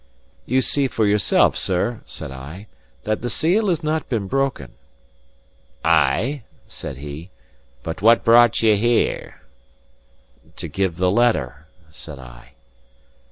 "You see for yourself, sir," said I, "that the seal has not been broken." "Ay," said he, "but what brought you here?" "To give the letter," said I.